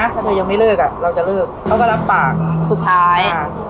ถ้าเธอยังไม่เลิกอ่ะเราจะเลิกเขาก็รับปากสุดท้าย